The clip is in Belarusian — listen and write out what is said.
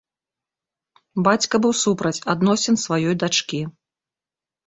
Бацька быў супраць адносін сваёй дачкі.